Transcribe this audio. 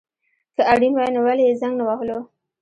که اړين وای نو ولي يي زنګ نه وهلو